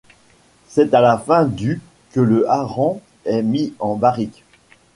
C'est à la fin du que le hareng est mis en barrique.